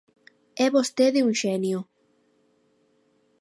É vostede un xenio.